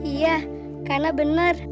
iya kana benar